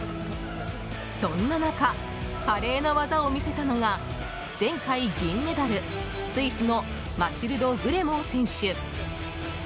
そんな中、華麗な技を見せたのが前回銀メダル、スイスのマチルド・グレモー選手。